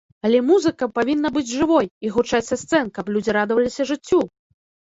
Але музыка павінна быць жывой і гучаць са сцэн, каб людзі радаваліся жыццю!